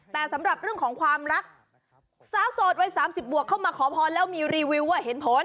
แต่สำหรับเรื่องของความรักสาวโสดวัย๓๐บวกเข้ามาขอพรแล้วมีรีวิวว่าเห็นผล